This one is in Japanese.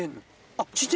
あっ。